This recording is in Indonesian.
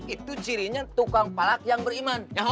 itu cirinya tukang palak yang beriman